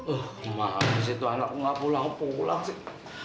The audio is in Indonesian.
eh maaf sih tuh anak gue gak pulang pulang sih